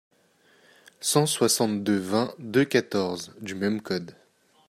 cent soixante-deux-vingt-deux-quatorze du même code.